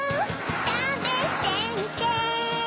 たべてみて